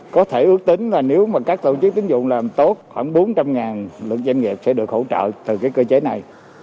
có thể ước tính là nếu mà các tổ chức tính dụng làm tốt khoảng bốn trăm linh lượng doanh nghiệp sẽ được hỗ trợ từ cái cơ chế này